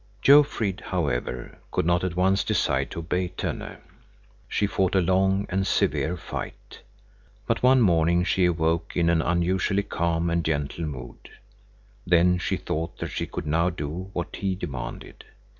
Jofrid, however, could not at once decide to obey Tönne. She fought a long and severe fight. But one morning she awoke in an unusually calm and gentle mood. Then she thought that she could now do what he demanded.